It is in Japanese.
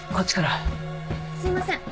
すいません。